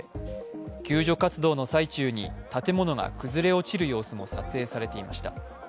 救助活動の最中に建物が崩れ落ちる様子も撮影されていました。